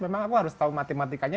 memang aku harus tahu matematikanya